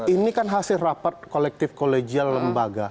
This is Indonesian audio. ini kan hasil rapat kolektif kolegial lembaga